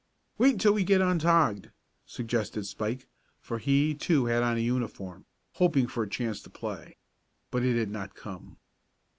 "Wait until we get un togged," suggested Spike, for he, too, had on a uniform, hoping for a chance to play. But it had not come.